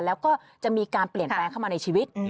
แล้วก็จะมีการเปลี่ยนแปลงเข้ามาในชีวิต